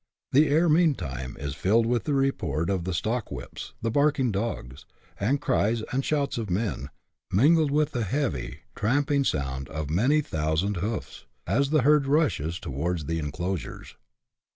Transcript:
The air meanwhile is filled with the report of the stock whips, the barking of dogs, and the cries and shouts of the men, mingled with the heavy, tramping sound of many thousand hoofs, as the herd rushes on towards the enclosures.